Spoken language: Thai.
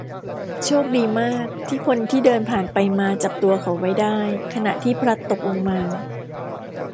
โชคดีมากที่คนที่เดินผ่านไปมาจับตัวเขาไว้ได้ขณะที่พลัดตกลงมา